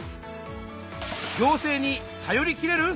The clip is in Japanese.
「行政に頼りきれる？」